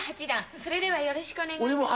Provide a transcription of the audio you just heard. それではよろしくお願いします。